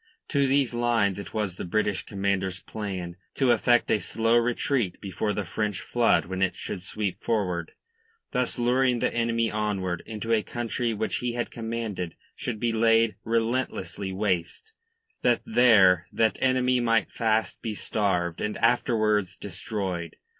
To these lines it was the British commander's plan to effect a slow retreat before the French flood when it should sweep forward, thus luring the enemy onward into a country which he had commanded should be laid relentlessly waste, that there that enemy might fast be starved and afterwards destroyed.